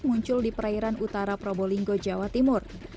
muncul di perairan utara probolinggo jawa timur